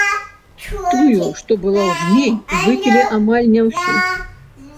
Тую, што была ў жней, выпілі амаль не ўсю.